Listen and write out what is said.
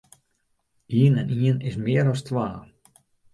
Ien en ien is mear as twa.